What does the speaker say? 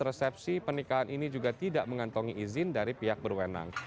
resepsi pernikahan ini juga tidak mengantongi izin dari pihak berwenang